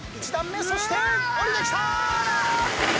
そして下りてきた！